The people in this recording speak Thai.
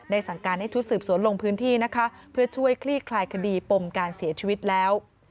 สั่งการให้ชุดสืบสวนลงพื้นที่นะคะเพื่อช่วยคลี่คลายคดีปมการเสียชีวิตแล้ว